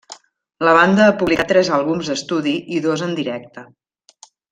La banda ha publicat tres àlbums d'estudi i dos en directe.